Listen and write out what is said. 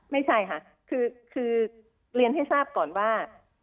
ไม่ใช่ค่ะคือเรียนให้ทราบก่อนว่า